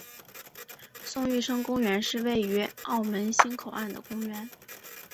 宋玉生公园是位于澳门新口岸的公园。